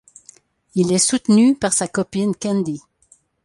Il est soutenu par sa copine Candy.